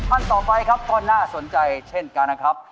อันตอนไปก็น่าสนใจเช่นกันนะครับ